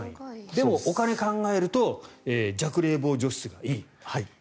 でも、お金を考えると弱冷房除湿がいいと。